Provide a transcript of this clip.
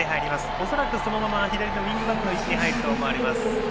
おそらくそのまま左のウイングバックの位置に入ると思われます。